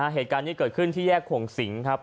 เหตุการณ์นี้เกิดขึ้นที่แยกขวงสิงครับ